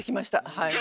はい。